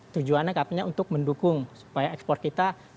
tujuan katanya untuk mendukung supaya ekspor kita tonton